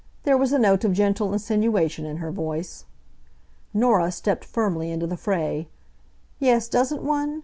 There was a note of gentle insinuation in her voice. Norah stepped firmly into the fray. "Yes, doesn't one?